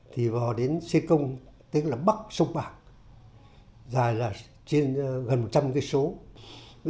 thì vào đến xê công tức là bắc sông bạc dài là trên gần một trăm linh km